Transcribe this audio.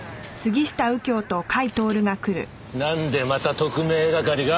なんでまた特命係が？